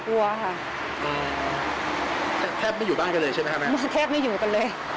แคบไม่อยู่บ้านกันเลยใช่ไหมครับไอ้แม่